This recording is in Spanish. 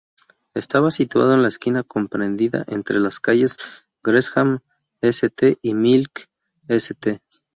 Estaba situado en la esquina comprendida entre las calles Gresham St y Milk St.